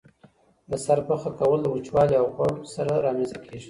د سر پخه کول د وچوالي او غوړ سره رامنځته کیږي.